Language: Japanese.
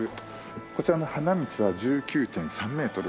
こちらの花道は１９．３メートルございます。